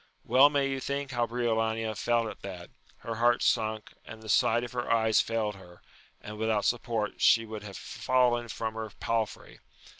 Well may you think how Briolania felt at that ; her heart sunk, and the sight of her eyes failed her, and without support she would have fallen from her palfrey.